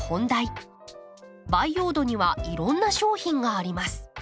培養土にはいろんな商品があります。